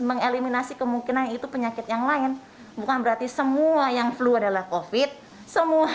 mengeliminasi kemungkinan itu penyakit yang lain bukan berarti semua yang flu adalah kofit semua